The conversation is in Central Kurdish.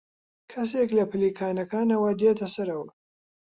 کەسێک لە پلیکانەکانەوە دێتە سەرەوە.